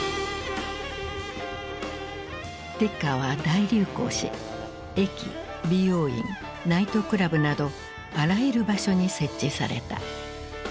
ティッカーは大流行し駅美容院ナイトクラブなどあらゆる場所に設置された。